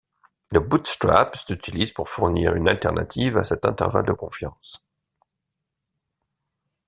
Le bootstrap s'utilise pour fournir une alternative à cet intervalle de confiance.